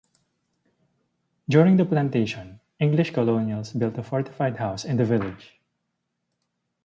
During the Plantation, English colonials built a fortified house in the village.